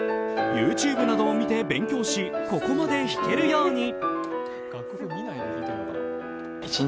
ＹｏｕＴｕｂｅなどを見て勉強しここまで弾けるように。